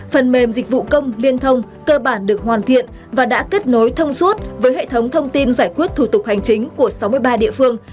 phần mềm dịch vụ công liên thông cơ bản được hoàn thiện và đã kết nối thông suốt với hệ thống thông tin giải quyết thủ tục hành chính của sáu mươi ba địa phương